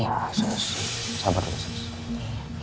sus sabar dulu sus